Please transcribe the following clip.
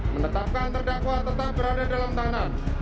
menetapkan terdakwa tetap berada dalam tahanan